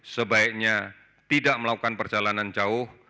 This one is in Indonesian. sebaiknya tidak melakukan perjalanan jauh